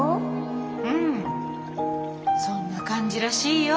うんそんな感じらしいよ。